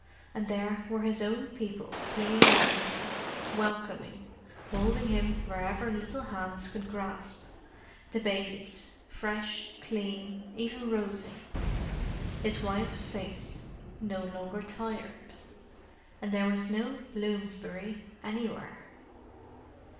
And there were his own people clinging round him, welcoming, holding him wherever little hands could grasp: the babies fresh, clean, even rosy; his wife's face, no longer tired. And there was no Bloomsbury anywhere.